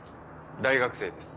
大学生です。